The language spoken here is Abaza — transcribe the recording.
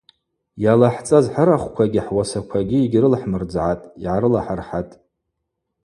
Йалахӏцӏаз хӏырахвквагьи хӏуасаквагьи йыгьрылхӏмырдзгӏатӏ,–йгӏарылахӏырхӏатӏ.